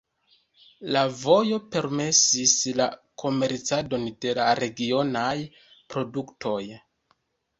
La vojo permesis la komercadon de la regionaj produktoj.